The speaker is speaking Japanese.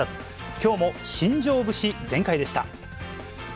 きょうも新庄節全開でした。